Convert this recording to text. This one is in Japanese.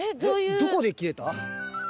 どこで切れた？